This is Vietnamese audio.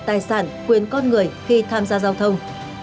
tài sản quyền con người khi tham gia giao thông